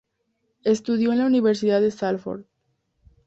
Estudió en la Universidad de Salford.